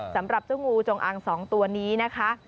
สำหรับเจ้างูจงอาง๒ตัวนี้นะคะ